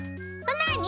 なに？